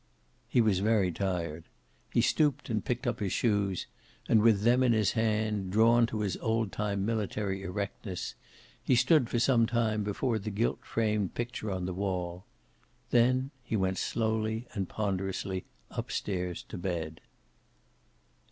He was very tired. He stooped and picked up his shoes, and with them in his hand, drawn to his old time military erectness, he stood for some time before the gilt framed picture on the wall. Then he went slowly and ponderously up stairs to bed.